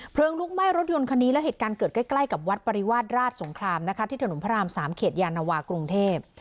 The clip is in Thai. ลุกไหม้รถยนต์คันนี้แล้วเหตุการณ์เกิดใกล้กับวัดปริวาสราชสงครามนะคะที่ถนนพระราม๓เขตยานวากรุงเทพ